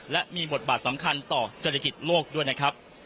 และมีบทบาทสำคัญต่อเศรษฐกิจโลกด้วยนะครับ